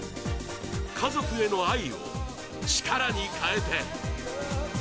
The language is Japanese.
家族への愛を力に変えて。